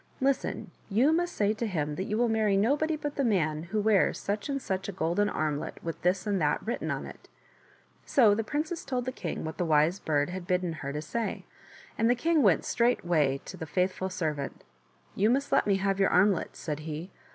Listen, you must say to him that you will marry nobody but the man who wears such and such a golden armlet with this and that written on it." So the princess told the king what the Wise Bird had bidden her to say, and the king went straightway to the faithful servant. " You must let me have your armlet," said he.